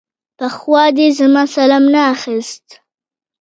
پخوا دې زما سلام نه اخيست.